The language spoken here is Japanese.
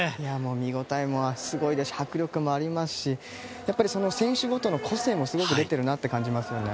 見応えもありますし迫力もありますし選手ごとの個性も出ているなと思いますね。